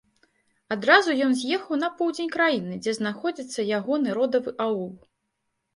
Адразу ён з'ехаў на поўдзень краіны, дзе знаходзіцца ягоны родавы аул.